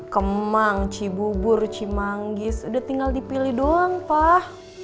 kemang cibubur cimanggis udah tinggal dipilih doang pak